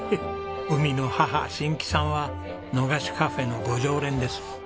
海の母新木さんはの菓子カフェのご常連です。